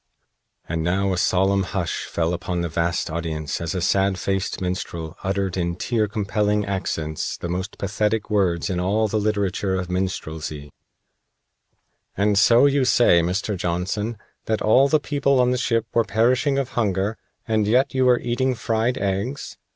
And now a solemn hush fell upon the vast audience as a sad faced minstrel uttered in tear compelling accents the most pathetic words in all the literature of minstrelsy: "And so you say, Mr. Johnson, that all the people on the ship were perishing of hunger, and yet you were eating fried eggs.